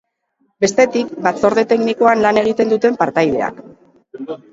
Bestetik, batzorde-teknikoan lan egiten duten partaideak.